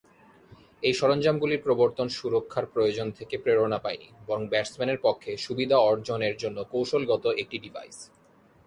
এই সরঞ্জামগুলির প্রবর্তন সুরক্ষার প্রয়োজন থেকে প্রেরণা পায়নি, বরং ব্যাটসম্যানের পক্ষে সুবিধা অর্জনের জন্য কৌশলগত একটি ডিভাইস।